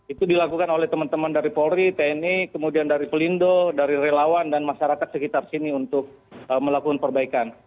itu dilakukan oleh teman teman dari polri tni kemudian dari pelindo dari relawan dan masyarakat sekitar sini untuk melakukan perbaikan